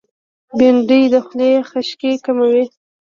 بېنډۍ د خولې خشکي کموي